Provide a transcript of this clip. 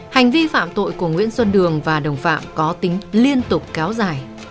hành vi phạm tội của nguyễn xuân đường và đồng phạm có tính liên tục kéo dài